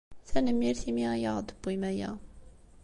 Tanemmirt imi ay aɣ-d-tewwim aya.